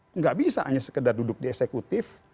tidak bisa hanya sekedar duduk di eksekutif